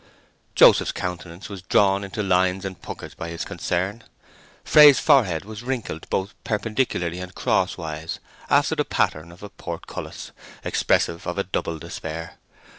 Joseph's countenance was drawn into lines and puckers by his concern. Fray's forehead was wrinkled both perpendicularly and crosswise, after the pattern of a portcullis, expressive of a double despair.